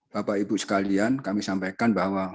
bapak ibu sekalian kami sampaikan bahwa